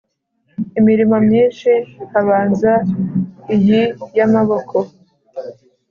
imirimo myinshi Habanza iyi yamaboko